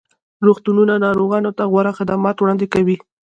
روغتونونه ناروغانو ته غوره خدمات وړاندې کوي.